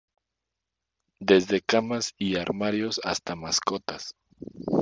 Desde camas y armarios hasta mascotas.